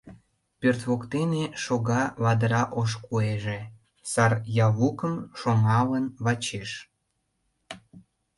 Пӧрт воктене шога ладыра ош куэже, сар ялукым шоҥалын вачеш.